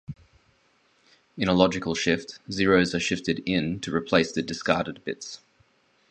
In a "logical shift", zeros are shifted in to replace the discarded bits.